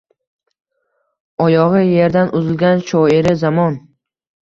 Oyogʼi yerdan uzilgan shoiri zamon.